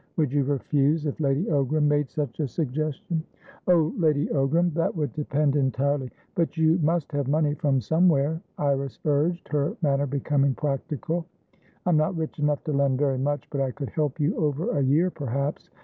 "Would you refuse if Lady Ogram made such a suggestion?" "Oh, Lady Ogram! That would depend entirely" "But you must have money from somewhere," Iris urged, her manner becoming practical. "I'm not rich enough to lend very much, but I could help you over a year, perhaps.